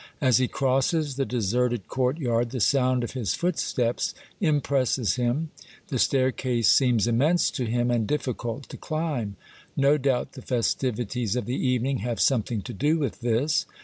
As he crosses the deserted courtyard the sound of his footsteps impresses him. The staircase seems immense to him, and difficult to climb. No doubt the festivities of the evening have something to do with this.